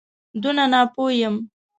دونه ناپوه یم.